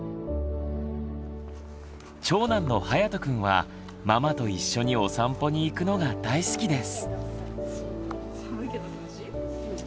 長男のはやとくんはママと一緒にお散歩に行くのが大好きです。